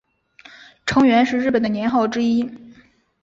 承元是日本的年号之一。